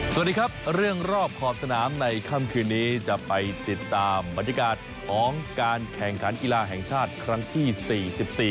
สวัสดีครับเรื่องรอบขอบสนามในค่ำคืนนี้จะไปติดตามบรรยากาศของการแข่งขันกีฬาแห่งชาติครั้งที่สี่สิบสี่